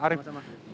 terima kasih mas